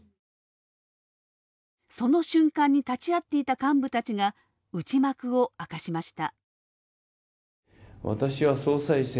その瞬間に立ち会っていた幹部たちが内幕を明かしました。